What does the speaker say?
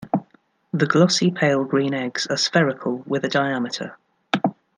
The glossy pale green eggs are spherical with a diameter.